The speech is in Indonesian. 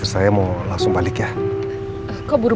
terus kita akan beri air ke teman mu